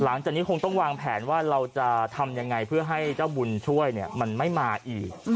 หลังจากนี้คงต้องวางแผนว่าเราจะทำยังไงเพื่อให้เจ้าบุญช่วยมันไม่มาอีก